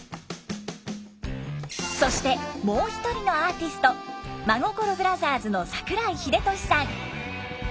そしてもう一人のアーティスト真心ブラザーズの桜井秀俊さん。